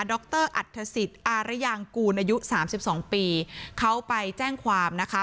ดรอัตษสิทธิ์อารยางกูลอายุ๓๒ปีเขาไปแจ้งความนะคะ